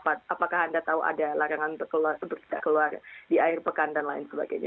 apakah anda tahu ada larangan untuk tidak keluar di air pekan dan lain sebagainya